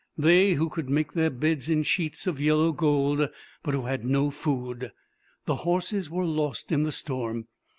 They who could make their beds in sheets of yellow gold, but who had no food. The horses were lost in the storm.